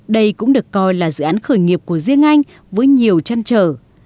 đây cũng được coi là dự án khởi nghiệp của riêng anh với nhiều trăn trở